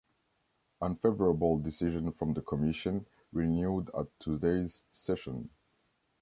Unfavorable decision from the commission, renewed at todays session.